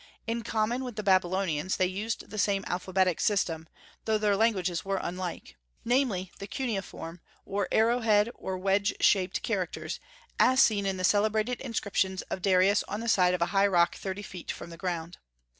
In common with the Babylonians they used the same alphabetic system, though their languages were unlike, namely, the cuneiform or arrow head or wedge shaped characters, as seen in the celebrated inscriptions of Darius on the side of a high rock thirty feet from the ground.